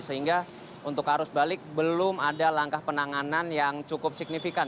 sehingga untuk arus balik belum ada langkah penanganan yang cukup signifikan